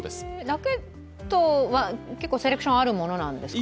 ラケットは結構セレクションあるものなんですか？